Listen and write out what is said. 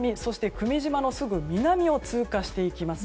久米島のすぐ南を通過していきます。